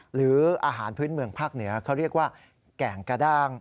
หรืออาหารพื้นเมืองภาคเหนือเขาเรียกว่าแก่งกระด้าง